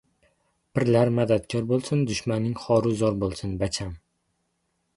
Pirlar madadkor bo‘lsun. Dushmaning xoru zor bo‘lsun, bacham!